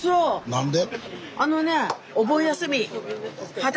何で？